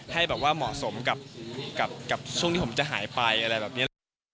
ให้แบบว่าเหมาะสมกับช่วงที่ผมจะหายไปอะไรแบบนี้